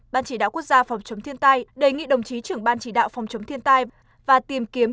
ban chỉ đạo quốc gia phòng chống thiên tai đề nghị đồng chí trưởng ban chỉ đạo phòng chống thiên tai và tìm kiếm